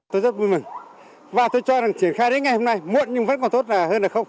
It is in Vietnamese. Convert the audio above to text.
tôi rất vui mừng và tôi cho rằng triển khai đến ngày hôm nay muộn nhưng vẫn còn tốt là hơn hay không